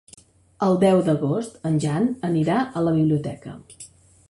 El deu d'agost en Jan anirà a la biblioteca.